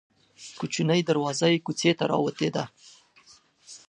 کوچنۍ دروازه یې کوڅې ته راوتې ده.